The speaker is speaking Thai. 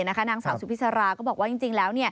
นางสาวสุพิษราก็บอกว่าจริงแล้ว